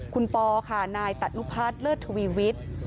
คุณปอค่ะนายตัดนุพัฒน์เลิศทวีวิทย์